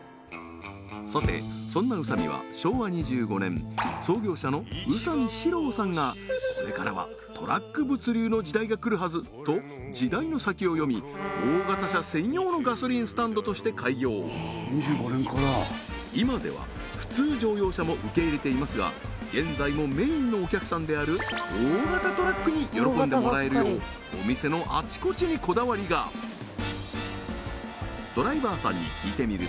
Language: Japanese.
さてそんな宇佐美は昭和２５年創業者の宇佐美史郎さんがこれからはトラック物流の時代が来るはずと時代の先を読みとして開業今では普通乗用車も受け入れていますが現在もメインのお客さんである大型トラックに喜んでもらえるようお店のあちこちにこだわりが確かに高い！